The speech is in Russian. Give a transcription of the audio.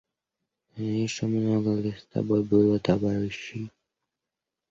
Еще много ли с тобой было товарищей?